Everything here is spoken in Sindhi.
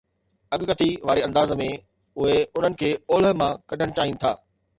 اڳڪٿي واري انداز ۾، اهي انهن کي اولهه مان ڪڍڻ چاهين ٿا.